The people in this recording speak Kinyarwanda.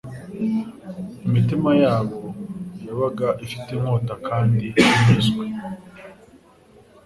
imitima yabo yabaga ifite inyota kandi inyuzwe,